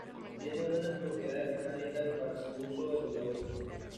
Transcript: Tiene buenas propiedades mecánicas y para su uso en soldaduras.